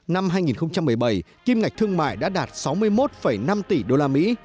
năm hai nghìn một mươi bảy kim ngạch thương mại đã đạt sáu mươi một năm tỷ usd